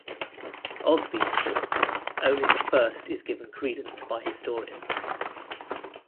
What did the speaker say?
Of these four, only the first is given credence by historians.